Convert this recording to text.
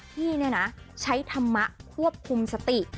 พี่เนี่ยนะใช้ธรรมะควบคุมสติ